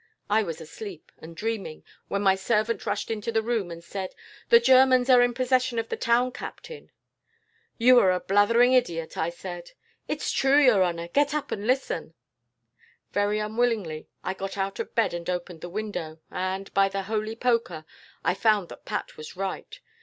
I was asleep, and dreaming, when my servant rushed into my room, and said: "'The Germans are in possession of the town, Captain.' "'You are a blathering idiot,' I said. "'It's true, your honour. Get up and listen.' "Very unwillingly, I got out of bed and opened the window, and, by the holy poker, I found that Pat was right.